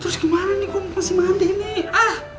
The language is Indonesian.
terus gimana nih gue masih mandi nih ah